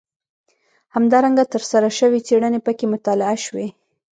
همدارنګه ترسره شوې څېړنې پکې مطالعه شوي.